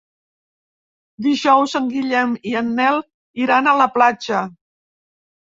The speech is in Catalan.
Dijous en Guillem i en Nel iran a la platja.